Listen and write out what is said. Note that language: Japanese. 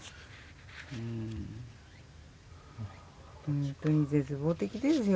本当に絶望的ですよ